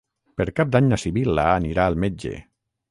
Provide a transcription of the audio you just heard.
Per Cap d'Any na Sibil·la anirà al metge.